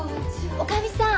おかみさん。